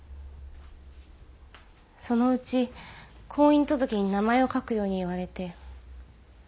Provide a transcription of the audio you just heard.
そのうち婚姻届に名前を書くように言われて。